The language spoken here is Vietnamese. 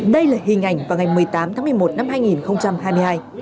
đây là hình ảnh vào ngày một mươi tám tháng một mươi một năm hai nghìn hai mươi hai